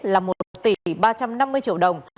là một tỷ ba trăm năm mươi triệu đồng